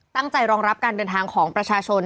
รองรับการเดินทางของประชาชน